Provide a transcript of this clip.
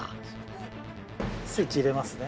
スイッチ入れますね。